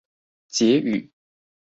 結語